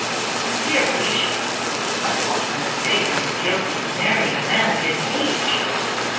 My dear Alicia, of what a mistake were you guilty in marrying a man of his age!